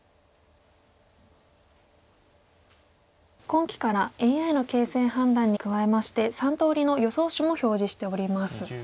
今期からＡＩの形勢判断に加えまして３通りの予想手も表示しております。